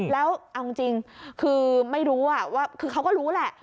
แล้วเอาจริงคือไม่รู้ว่าคือเขาก็รู้แหละ